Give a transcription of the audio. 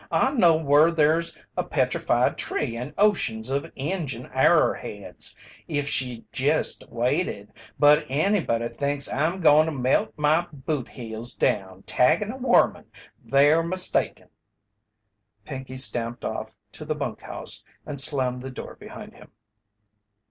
I know whur there's a petrified tree and oceans of Injun arrer heads, if she'd jest waited. But if anybody thinks I'm goin' to melt my boot heels down taggin' a worman, they're mistaken!" Pinkey stamped off to the bunk house and slammed the door behind him.